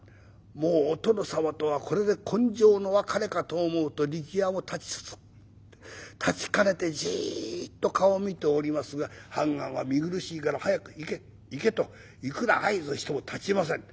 もうお殿様とはこれで今生の別れかと思うと力弥たちかねてじっと顔を見ておりますが判官は「見苦しいから早く行け行け」といくら合図をしてもたちません。